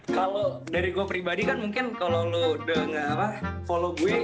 kalo dari gue pribadi kan mungkin kalo lu denger apa follow gue